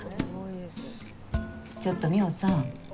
ちょっと美穂さん。